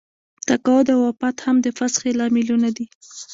تقاعد او وفات هم د فسخې لاملونه دي.